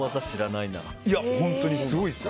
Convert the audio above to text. いや本当に、すごいですよ。